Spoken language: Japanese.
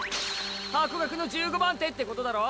ハコガクの１５番手ってことだろ！